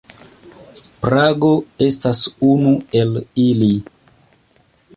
Prago estas unu el ili.